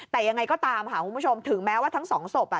แต่ยังไงก็ตามค่ะคุณผู้ชมถึงแม้ว่าทั้งสองศพ